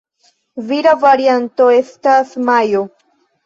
Vira varianto estas "Majo".